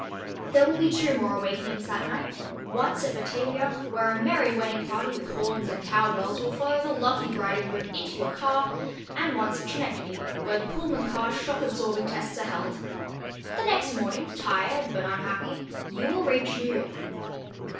There will be two more awakenings that night—once at Batavia, where a merry wedding party with horns and cow bells will follow the lucky bride and groom into your car, and once at Schenectady, where the Pullman car shock absorbing tests are held. The next morning, tired but unhappy, you will reach New York.